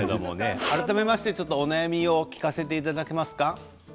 改めまして、お悩みを聞かせてもらえますか？